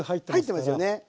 入ってますよね。